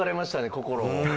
心を。